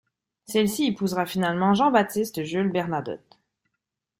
Celle-ci épousera finalement Jean-Baptiste Jules Bernadotte.